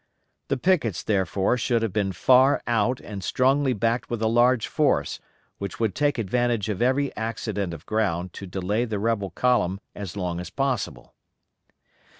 The pickets, therefore, should have been far out and strongly backed with a large force which would take advantage of every accident of ground to delay the rebel column as long as possible.